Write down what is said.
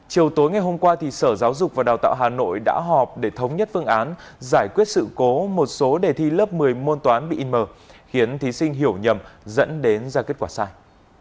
chiều tối ngày hôm qua sở giáo dục và đào tạo hà nội đã họp để thống nhất phương án giải quyết sự cố một số đề thi lớp một mươi môn toán bị inm khiến thí sinh hiểu nhầm dẫn đến ra kết quả sai